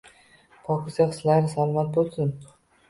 Pokiza hislari salomat bo’lsin.